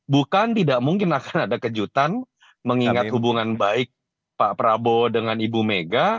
bukan tidak mungkin akan ada kejutan mengingat hubungan baik pak prabowo dengan ibu mega